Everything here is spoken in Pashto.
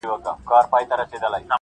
• د بابر زړه په غمګین و -